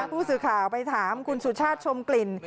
ผู้สื่อข่าวไปถามคุณสุชาติชมกลิ่น